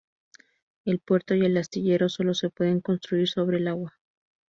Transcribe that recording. El puerto y el astillero sólo se pueden construir sobre el agua.